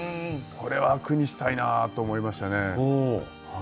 これは句にしたいなと思いましたね。